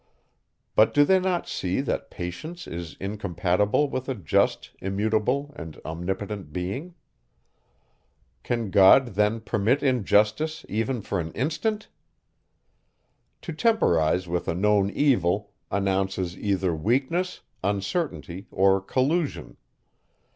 But do they not see, that patience is incompatible with a just, immutable, and omnipotent being? Can God then permit injustice, even for an instant? To temporize with a known evil, announces either weakness, uncertainty, or collusion.